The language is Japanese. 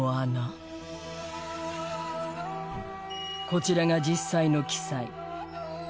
こちらが実際の記載